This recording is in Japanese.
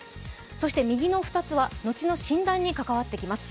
そして右の２つは後の診断に関わってきます。